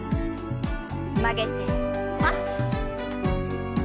曲げてパッ。